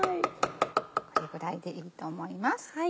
これぐらいでいいと思います。